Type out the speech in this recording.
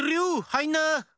はいんな！